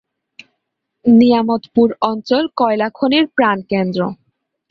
নিয়ামতপুর অঞ্চল কয়লা খনির প্রাণকেন্দ্রে।